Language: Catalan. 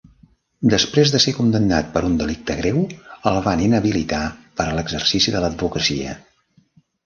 Després de ser condemnat per un delicte greu, el van inhabilitar per a l'exercici de l'advocacia.